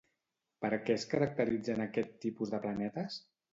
Per què es caracteritzen aquest tipus de planetes?